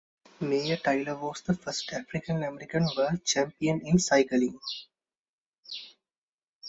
Major Taylor was the first African American world champion in cycling.